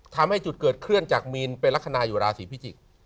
ทำให้จุดเกิดเคลื่อนจากมีนเป็นลักษณะอยู่ราศีพิจิกษ์